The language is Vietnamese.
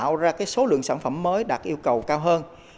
nó tạo ra cái số lượng sản phẩm mới đạt yêu cầu cao hơn